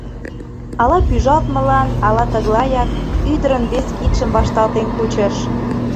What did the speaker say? Ала пӱжалтмылан, ала тыглаяк — ӱдырын вес кидшым вашталтен кучыш.